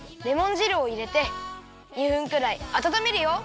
じるをいれて２分くらいあたためるよ。